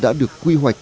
đã được quy hoạch